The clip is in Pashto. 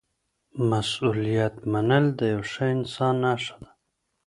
مسؤلیت منل د یو ښه انسان نښه ده.